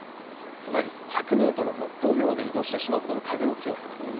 つまり、１００ｍも５秒で移動してしまうほどの風の強さなんです。